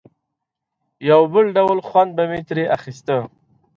یو بل ډول خوند به مې ترې اخیسته.